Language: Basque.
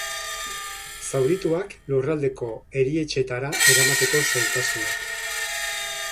Zaurituak lurraldeko erietxeetara eramateko zailtasunak.